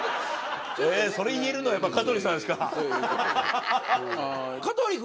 それ言えるのやっぱ香取さんしか。